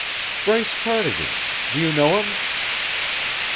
"Bryce Cardigan. Do you know him?"